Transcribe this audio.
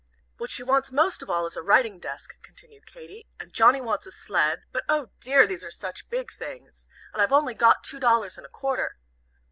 "What she wants most of all is a writing desk," continued Katy. "And Johnnie wants a sled. But, oh dear! these are such big things. And I've only got two dollars and a quarter."